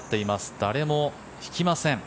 誰も引きません。